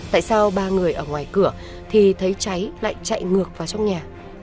tại sao ba người ở ngoài cửa thì thấy cháy lại chạy ngược vào trong nhà